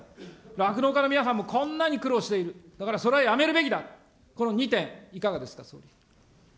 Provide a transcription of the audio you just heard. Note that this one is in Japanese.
酪農家の皆さんもこんなに苦労している、だからそれはやめるべきだ、この２点、いかがですか、総理。